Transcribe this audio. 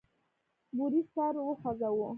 بوریس سر وخوزاوه.